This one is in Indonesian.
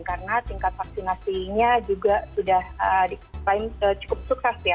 karena tingkat vaksinasinya juga sudah cukup sukses ya